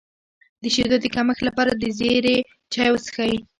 د شیدو د کمښت لپاره د زیرې چای وڅښئ